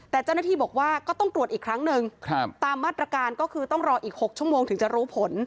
แต่เจ้าหน้าที่บอกว่าก็ต้องตรวจอีกครั้งหนึ่งตามมาตรการก็คือต้องรออีก๖ชั่วโมงถึงจะรู้ผล